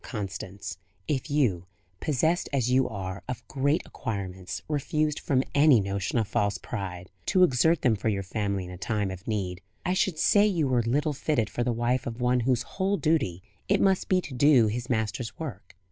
Constance, if you, possessed as you are of great acquirements, refused from any notion of false pride, to exert them for your family in a time of need, I should say you were little fitted for the wife of one whose whole duty it must be to do his Master's work."